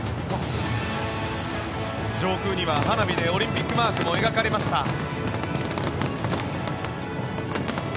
上空には花火でオリンピックマークも描かれました。